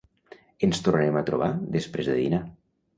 Ens tornarem a trobar després de dinar.